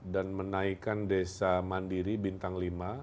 dan menaikan desa mandiri bintang lima